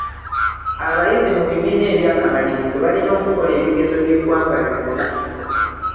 Abayizi mu bibiina eby'akamalirizo balina okukola ebigezo by'eggwanga lyonna.